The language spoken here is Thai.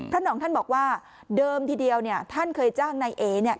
หนองท่านบอกว่าเดิมทีเดียวเนี่ยท่านเคยจ้างนายเอเนี่ย